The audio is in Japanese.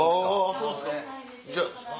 そうっすか！